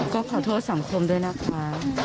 ก็ขอโทษสังคมด้วยนะคะ